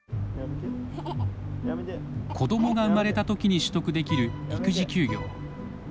子どもが生まれたときに取得できる育児休業。